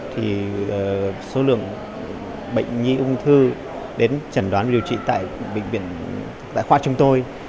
thì số lượng bệnh nhi ung thư đến trần đoán liều trị tại bệnh viện tại khoa chúng tôi